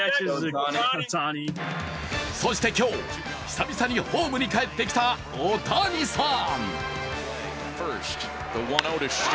そして今日、久々にホームに帰ってきた大谷さん。